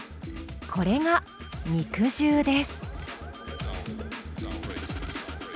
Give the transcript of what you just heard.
これが肉汁です。